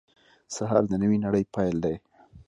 سهار د نوې نړۍ پیل دی.